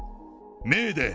メーデー！